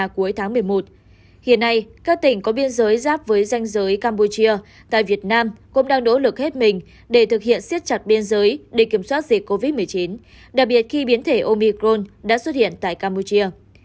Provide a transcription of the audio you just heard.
các tỉnh có biên giới giáp với danh giới campuchia tại việt nam cũng đang đỗ lực hết mình để thực hiện siết chặt biên giới để kiểm soát dịch covid một mươi chín đặc biệt khi biến thể omicron đã xuất hiện tại campuchia